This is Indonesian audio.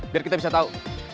biar kita bisa tau